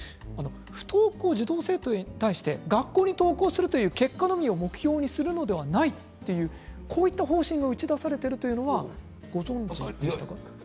不登校児童、生徒に対して学校に登校するという結果のみを目標にするのではないというこういった方針を打ち出されているということはご存じでしたか？